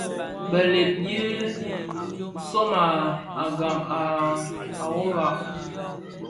Bèleg yi sóm à gang à wogà.